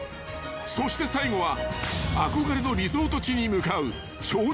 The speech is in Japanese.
［そして最後は憧れのリゾート地に向かう］